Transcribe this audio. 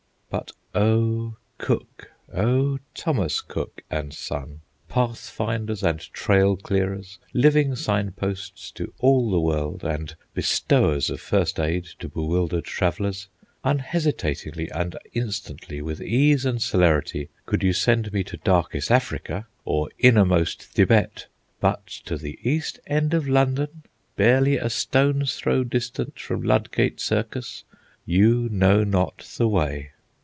But O Cook, O Thomas Cook & Son, path finders and trail clearers, living sign posts to all the world, and bestowers of first aid to bewildered travellers—unhesitatingly and instantly, with ease and celerity, could you send me to Darkest Africa or Innermost Thibet, but to the East End of London, barely a stone's throw distant from Ludgate Circus, you know not the way!